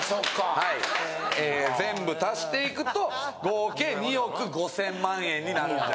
はい全部足していくと合計２億５０００万円になるんじゃ。